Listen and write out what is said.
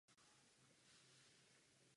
Snáší průmyslové prostředí.